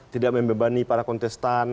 tidak membebani para kontestan